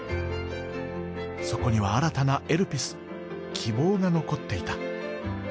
そこには新たなエルピス希望が残っていた。